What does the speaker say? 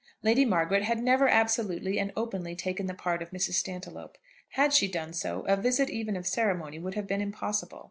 Lady Margaret had never absolutely and openly taken the part of Mrs. Stantiloup. Had she done so, a visit even of ceremony would have been impossible.